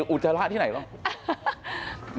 อุจจาระที่ไหนหรอ